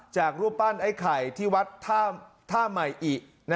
รูปปั้นไอ้ไข่ที่วัดท่าใหม่อิ